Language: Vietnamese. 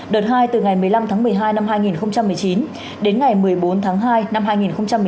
đợt hai từ ngày một mươi năm tháng một mươi hai năm hai nghìn một mươi chín đến ngày một mươi bốn tháng hai năm hai nghìn một mươi chín